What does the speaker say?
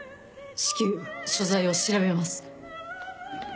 至急所在を調べます。